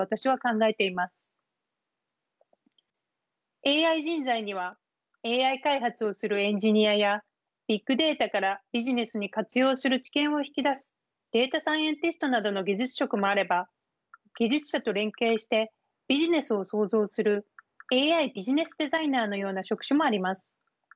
ＡＩ人材にはＡＩ開発をするエンジニアやビッグデータからビジネスに活用する知見を引き出すデータサイエンティストなどの技術職もあれば技術者と連携してビジネスを創造するＡＩビジネスデザイナーのような職種もあります。